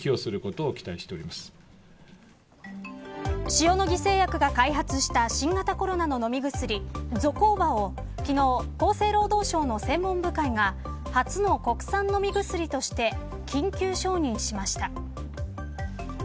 塩野義製薬が開発した新型コロナの飲み薬ゾコーバを昨日厚生労働省の専門部会が初の国産飲み薬として緊急承認しました。